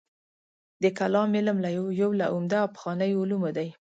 د کلام علم یو له عمده او پخوانیو علومو دی.